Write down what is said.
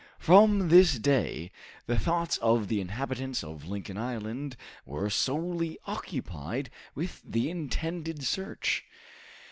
From this day, the thoughts of the inhabitants of Lincoln Island were solely occupied with the intended search.